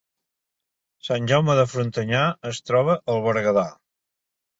Sant Jaume de Frontanyà es troba al Berguedà